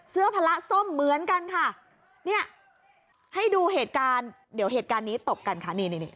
เสื้อพละส้มเหมือนกันค่ะให้ดูเหตุการณ์เดี๋ยวเหตุการณ์นี้ตบกันค่ะ